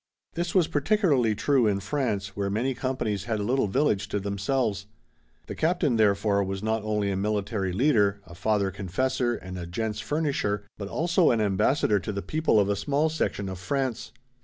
This was particularly true in France where many companies had a little village to themselves. The captain, therefore, was not only a military leader, a father confessor, and a gents' furnisher, but also an ambassador to the people of a small section of France.